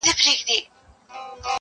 دا سدی پرېږده دا سړی له سړيتوبه وځي~